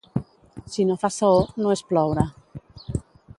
Si no fa saó, no és ploure.